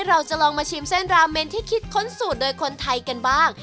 เราจะลองมาชิมเส้นราเมนที่คิดค้นสูตรโดยคนไทยกันบ้าง